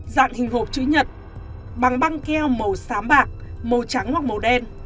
dạng hình hộp chữ nhật bằng băng keo màu xám bạc màu trắng hoặc màu đen